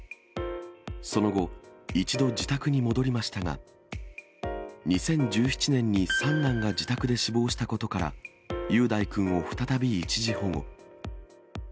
その後、一度、自宅に戻りましたが、２０１７年に三男が自宅で死亡したことから、雄大君を再び一時保護。